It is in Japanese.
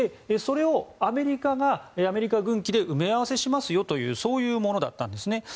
それをアメリカがアメリカ軍機で埋め合わせしますよというものだったんですね。